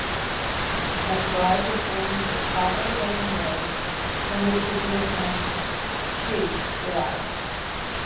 McBride was born in Chicago, Illinois, from which his nickname, Chi, derives.